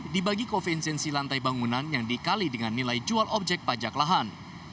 dibagi koe insensi lantai bangunan yang dikali dengan nilai jual objek pajak lahan